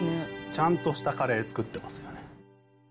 ちゃんとしたカレー作ってますよね。